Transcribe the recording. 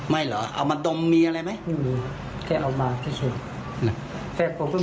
ไม่เหรอเอามาดมมีอะไรไหมพอก็พอดีเอามาตมั๊ยมาดมกันไหม